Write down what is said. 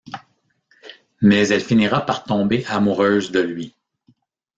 Mais elle finira par tomber amoureuse de lui.